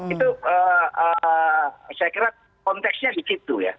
itu saya kira konteksnya begitu ya